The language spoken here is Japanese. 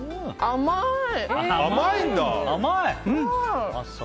甘い！